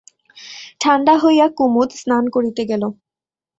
ঠাণ্ডা হইয়া কুমুদ স্নান করিতে গেল।